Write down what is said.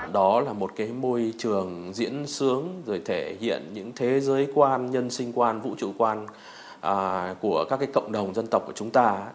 đó là một cái môi trường diễn sướng rồi thể hiện những thế giới quan nhân sinh quan vũ trụ quan của các cộng đồng dân tộc của chúng ta